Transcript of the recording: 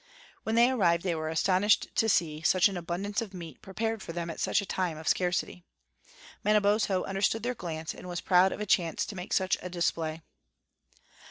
"When they arrived they were astonished to see such an abundance of meat prepared for them at such a time of scarcity. Manabozho understood their glance and was proud of a chance to make such a display.